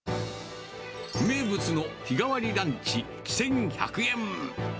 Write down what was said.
名物の日替わりランチ１１００円。